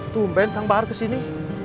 tungguin kang bahar kesini